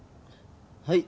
はい。